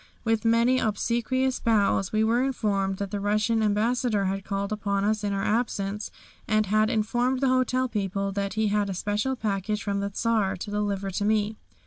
With many obsequious bows we were informed that the Russian Ambassador had called upon us in our absence, and had informed the hotel people that he had a special package from the Czar to deliver to me.